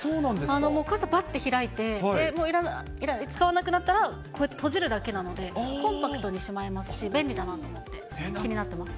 傘、ぱって開いて、使わなくなったらこうやって閉じるだけなので、コンパクトにしまえますし、便利だなと思って気になってます。